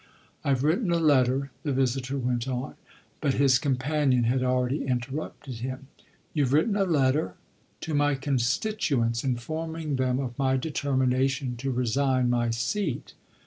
I've written a letter," the visitor went on; but his companion had already interrupted him. "You've written a letter?" "To my constituents, informing them of my determination to resign my seat."